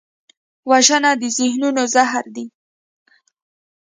وژنه د ذهنونو زهر دی